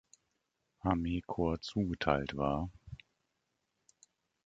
Armee-Korps zugeteilt war.